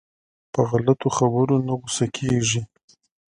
په غلطو خبرو نه غوسه کېږي.